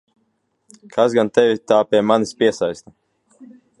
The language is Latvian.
Kas gan tevi tā pie manis piesaista?